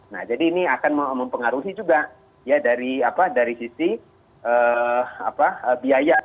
nah jadi ini akan mempengaruhi juga ya dari apa dari sisi apa biaya